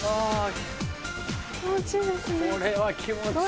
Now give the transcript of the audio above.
これは気持ちいい。